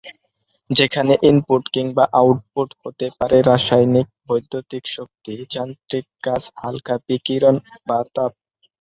যেখানে ইনপুট কিংবা আউটপুট হতে পারে রাসায়নিক, বৈদ্যুতিক শক্তি, যান্ত্রিক কাজ, হালকা বিকিরণ বা তাপ।